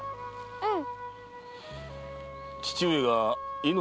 うん。